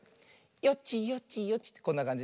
よちよちよちってこんなかんじね。